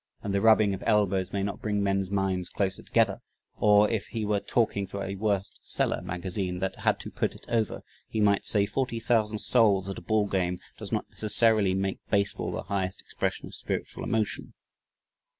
and the "rubbing of elbows may not bring men's minds closer together"; or if he were talking through a "worst seller" (magazine) that "had to put it over" he might say, "forty thousand souls at a ball game does not, necessarily, make baseball the highest expression of spiritual emotion."